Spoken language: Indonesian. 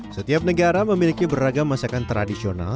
setiap negara memiliki beragam masakan tradisional